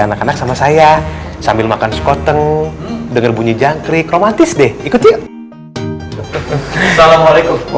anak anak sama saya sambil makan sekoteng dengar bunyi jangkrik romantis deh ikut yuk